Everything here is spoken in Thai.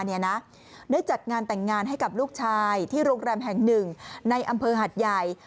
ได้จัดงานแต่งงานให้กับลูกชายที่โรงแรมแห่งหนึ่งในอำเภอหัดใหญ่